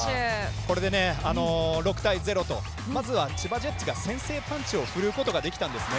これで、６対０とまずは千葉ジェッツが先制パンチを振るうことができたんですね。